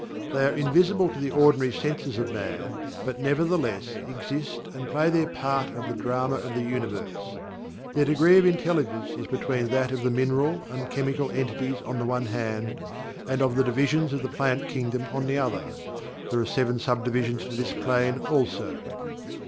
They are invisible to the ordinary senses of man, but, nevertheless, exist and play their part of the Drama of the Universe. Their degree of intelligence is between that of the mineral and chemical entities on the one hand, and of the entities of the plant kingdom on the other. There are seven subdivisions to this plane, also.